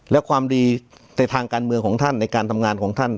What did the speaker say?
และความดีในทางการเมืองของท่านในการทำงานของท่าน